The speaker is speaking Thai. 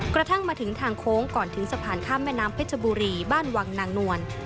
กระทั่งมาถึงทางโค้งก่อนถึงสะพานข้ามแม่น้ำเพชรบุรีบ้านวังนางนวล